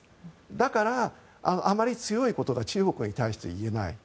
だから、あまり強いことを中国に対して言えない。